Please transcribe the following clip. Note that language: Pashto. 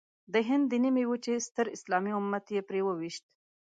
د هند د نیمې وچې ستر اسلامي امت یې پرې وويشت.